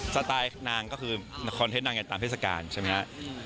สไตล์นางคือช่วงเทนนางอย่างอื่นเข้ามเธอสการ